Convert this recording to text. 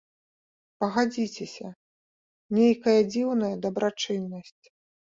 Пагадзіцеся, нейкая дзіўная дабрачыннасць.